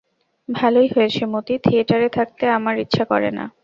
ভালোই হয়েছে মতি, থিয়েটারে থাকতে আমার ইচ্ছে করে না।